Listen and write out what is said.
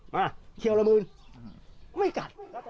มาเคี่ยวละหมื่นไม่กัด